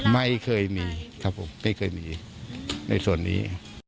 ไม่เคยมีไม่เคยมีในส่วนนี้